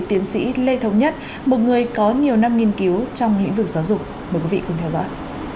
tiến sĩ lê thống nhất một người có nhiều năm nghiên cứu trong lĩnh vực giáo dục mời quý vị cùng theo dõi